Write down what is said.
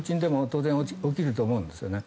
当然起きると思うんですよね。